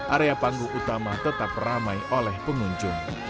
area panggung utama tetap ramai oleh pengunjung